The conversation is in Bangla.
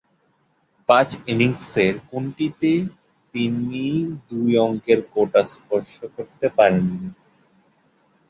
পাঁচ ইনিংসের কোনটিতেই তিনি দুই অঙ্কের কোটা স্পর্শ করতে পারেননি।